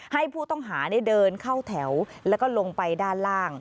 ให้ผู้ต้องหาเดินเข้าแถวแล้วก็ลงไปด้านล่าง